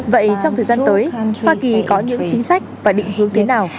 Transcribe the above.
vậy trong thời gian tới hoa kỳ có những chính sách và định hướng thế nào